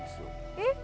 えっ？